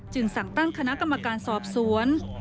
สั่งตั้งคณะกรรมการสอบสวน